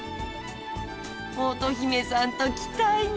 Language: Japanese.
乙姫さんと来たいな。